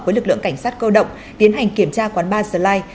với lực lượng cảnh sát cơ động tiến hành kiểm tra quán bar slide